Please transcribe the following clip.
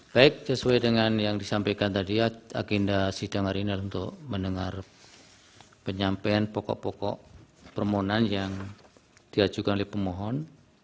baik sesuai dengan yang disampaikan tadi ya agenda sidang hari ini adalah untuk mendengar penyampaian pokok pokok permohonan yang diajukan oleh pemohon